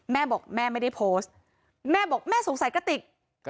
แม่บอกแม่ไม่ได้โพสต์แม่บอกแม่สงสัยกระติก